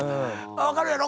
分かるやろ？